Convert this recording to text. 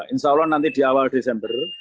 insya allah nanti di awal desember